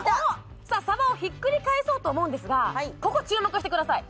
さあさばをひっくり返そうと思うんですがここ注目してください